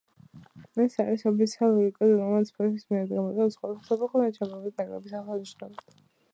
ეს არის ოფიციალური კოდი რომელიც ფიფას მიერ გამოიყენება სხვადასხვა საფეხბურთო ჩემპიონატებზე ნაკრებების აღსანიშნავად.